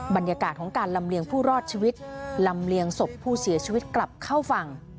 บรรยากาศของการลำเลียงผู้รอดชีวิตลำเลียงศพผู้เสียชีวิตกลับเข้าฝั่ง